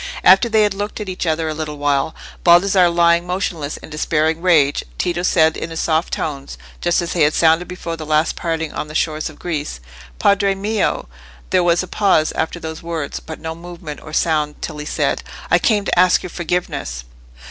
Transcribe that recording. After they had looked at each other a little while, Baldassarre lying motionless in despairing rage, Tito said in his soft tones, just as they had sounded before the last parting on the shores of Greece— "Padre mio!" There was a pause after those words, but no movement or sound till he said— "I came to ask your forgiveness!"